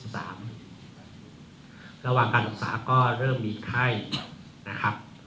ระหว่างการรักษาก็เริ่มมีไข้นะครับ